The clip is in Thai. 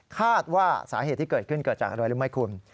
คาดว่าสาเหตุที่เกิดขึ้นเกิดจากอะไรรู้ไหมคุณ